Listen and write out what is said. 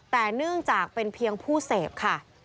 แต่เนื่องจากเป็นเพียงผู้เสพค่ะ